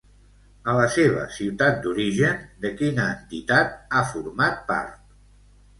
A la seva ciutat d'origen, de quina entitat ha format part?